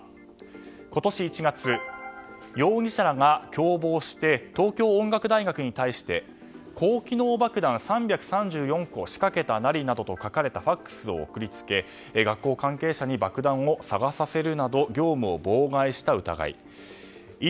一方で、容疑者２人の逮捕容疑は今年１月容疑者らが共謀して東京音楽大学に対して「高機能爆弾を３３４個仕掛けたナリ」などと書かれたＦＡＸを送り付け、学校関係者に爆弾を探させるなど業務を妨害した疑い。